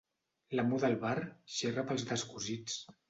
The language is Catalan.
L'amo del bar xerra pels descosits.